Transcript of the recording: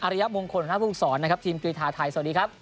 ริยมงคลหัวหน้าภูมิสอนนะครับทีมกรีธาไทยสวัสดีครับ